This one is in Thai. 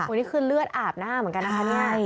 อันนี้คือเลือดอาบหน้าเหมือนกันนะคะเนี่ย